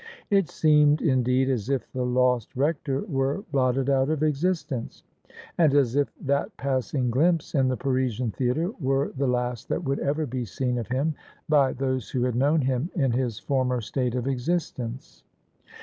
It seemed indeed as if the lost Rector were blotted out of existence ; and as if that passing glimpse in the Parisian theatre were the last that would ever be seen of him by those who had known him in his former state of existence.